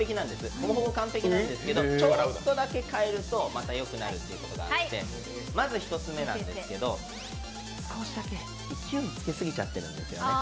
ほぼほぼ完璧なんですけどちょっとだけ変えるとまた良くなるってことがあってまず１つ目なんですけど、少しだけ勢いつけすぎちゃってるんですよね。